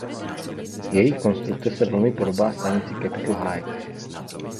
Její konstrukce se velmi podobá stanici Capitol Heights.